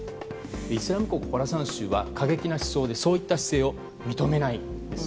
イスラム国ホラサン州は過激な思想でそういったことを認めないんです。